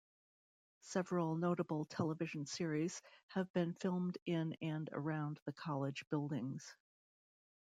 Several notable television series have been filmed in and around the College buildings.